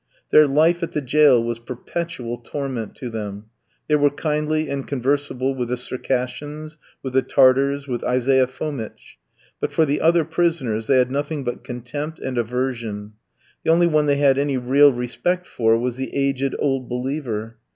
Their life at the jail was perpetual torment to them. They were kindly and conversible with the Circassians, with the Tartars, with Isaiah Fomitch; but for the other prisoners they had nothing but contempt and aversion. The only one they had any real respect for was the aged "old believer."